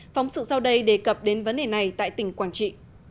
phóng sự sau đây đề cập đến vấn đề này tại tỉnh quảng trị